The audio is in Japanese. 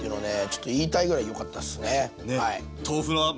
ちょっと言いたいぐらいよかったっすねはい。